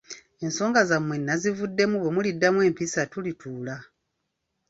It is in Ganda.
Ensonga zammwe nazivuddemu bwe muliddamu empisa tulituula.